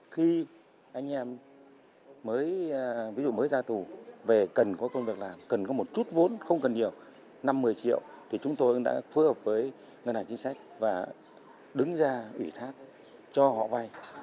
khi anh em mới ví dụ mới ra tù về cần có công việc làm cần có một chút vốn không cần nhiều năm một mươi triệu thì chúng tôi đã phối hợp với ngân hàng chính sách và đứng ra ủy thác cho họ vay